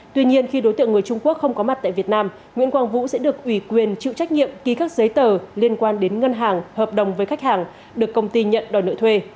tuy nhiên khi đối tượng người trung quốc không có mặt tại việt nam nguyễn quang vũ sẽ được ủy quyền chịu trách nhiệm ký các giấy tờ liên quan đến ngân hàng hợp đồng với khách hàng được công ty nhận đòi nợ thuê